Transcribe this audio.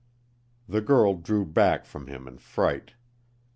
The girl drew back from him in fright.